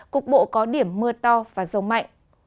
cục bộ có điểm mưa to và rông mạnh